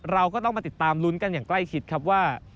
เราก็ต้องมาติดตามลุ้นกันอย่างใกล้ชิดครับว่า